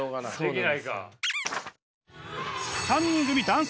できないか。